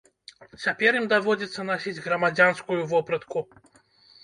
Цяпер ім даводзіцца насіць грамадзянскую вопратку.